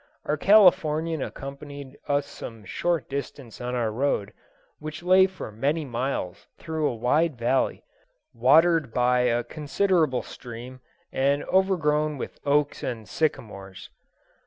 Our Californian accompanied us some short distance on our road, which lay for many miles through a wide valley, watered by a considerable stream, and overgrown with oaks and sycamores.